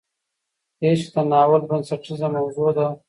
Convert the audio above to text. عشق د ناول بنسټیزه موضوع ده.